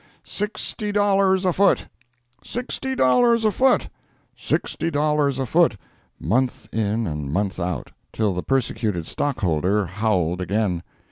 "Sixty dollars a foot! sixty dollars a foot! sixty dollars a foot!" month in and month out, till the persecuted stockholder howled again.